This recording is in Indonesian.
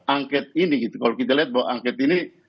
angket ini gitu kalau kita lihat bahwa angket ini